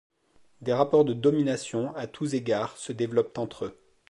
Des rapports de domination, à tous égards, se développent entre eux.